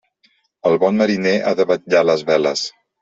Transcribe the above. El bon mariner ha de vetllar les veles.